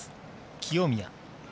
清宮。